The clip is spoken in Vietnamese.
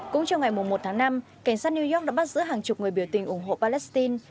cũng trong ngày một tháng năm cảnh sát new york đã bắt giữ hàng chục người biểu tình ủng hộ palestine